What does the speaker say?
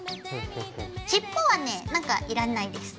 尻尾はねなんかいらないです。